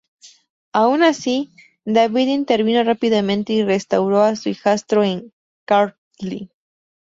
Aun así, David intervino rápidamente y restauró a su hijastro en Kartli.